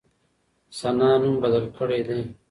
ثنا نوم بدل کړی دی.